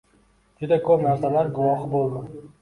juda ko‘p narsalar guvohi bo‘ldim.